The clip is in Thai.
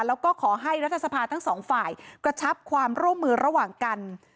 แล้วก็ขอให้รัฐสภาทั้งสองฝ่ายกระชับความร่วมมือระหว่างกัน